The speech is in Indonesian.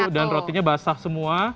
dan rotinya basah semua